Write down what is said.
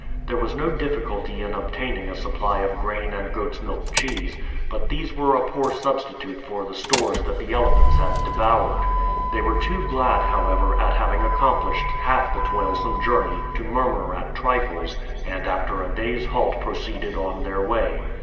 There was no difficulty in obtaining a supply of grain and goats' milk cheese; but these were a poor substitute for the stores that the elephants had devoured. They were too glad, however, at having accomplished half the toilsome journey to murmur at trifles, and after a day's halt proceeded on their way.